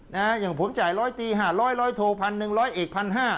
อย่างผมจ่ายร้อยตีห้าร้อยร้อยโทพันหนึ่งร้อยเอกพันห้า